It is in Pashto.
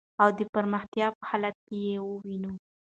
او د پرمختیا په حالت کی یې وېنو .